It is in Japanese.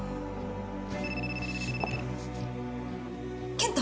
健太！？